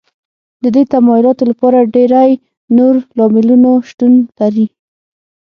د دې تمایلاتو لپاره ډېری نور لاملونو شتون لري